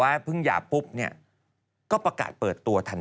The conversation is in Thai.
แอปเคยอยากจะขออย่ากับสงครร